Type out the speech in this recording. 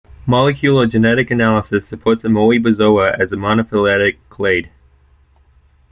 Molecular genetic analysis supports Amoebozoa as a monophyletic clade.